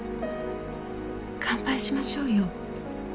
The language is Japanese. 乾杯しましょうよ。